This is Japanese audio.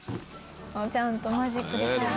ちゃんとマジックで書いて。